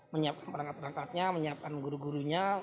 menyiapkan perangkat perangkatnya menyiapkan guru gurunya